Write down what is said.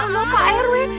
ya allah pak herwa